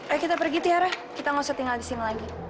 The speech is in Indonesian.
ayo kita pergi tiara kita nggak usah tinggal di sini lagi